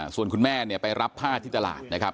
ส่วนคุณแม่เนี่ยไปรับผ้าที่ตลาดนะครับ